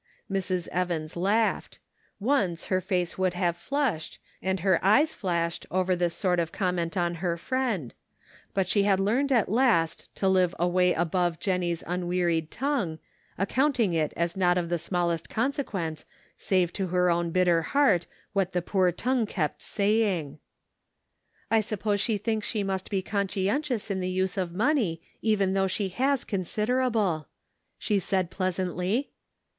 Mrs. Evans laughed. Once her face would have flushed, and her eyes flashed over this sort of comment on her friend ; but she had learned at last to live away above Jennie's unwearied tongue, accounting it as not of the smallest consequence save to her own bitter heart what the poor tongue kept saying. " I suppose she thinks she must be consci entious in the use of money even though 510 The Pocket Measure* she has considerable," she said pleasantly.